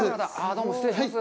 どうも失礼します。